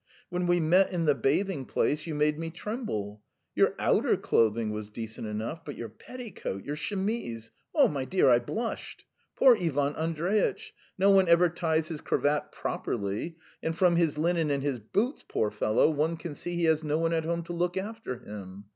When we met in the bathing place, you made me tremble. Your outer clothing was decent enough, but your petticoat, your chemise. ... My dear, I blushed! Poor Ivan Andreitch! No one ever ties his cravat properly, and from his linen and his boots, poor fellow! one can see he has no one at home to look after him.